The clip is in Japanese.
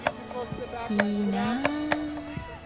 いいな。